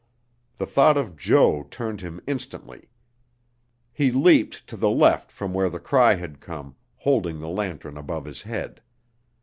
The thought of Jo turned him instantly. He leaped to the left from where the cry had come, holding the lantern above his head.